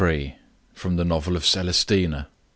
FROM THE NOVEL OF CELESTINA.